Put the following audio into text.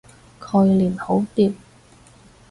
概念好掂